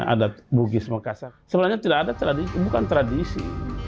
adat bukit makassar sebenarnya tidak ada tradisi bukan tradisi